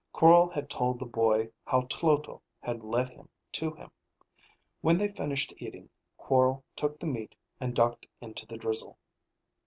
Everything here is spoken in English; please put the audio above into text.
Quorl had told the boy how Tloto had led him to him; when they finished eating, Quorl took the meat and ducked into the drizzle.